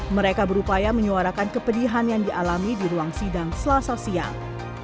mereka berupaya menyuarakan kepedihan yang dialami di ruang sidang selasa siang